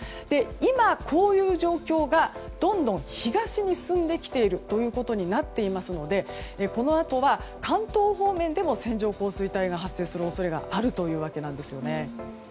今、こういう状況がどんどん東に進んできていることになってきていますのでこのあとは関東方面でも線状降水帯が発生する恐れがあるというわけなんですね。